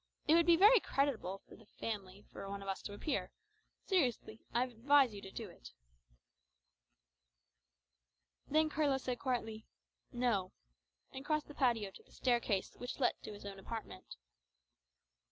"It would be very creditable to the family for one of us to appear. Seriously; I advise you to do it." Then Carlos said quietly, "No;" and crossed the patio to the staircase which led to his own apartment.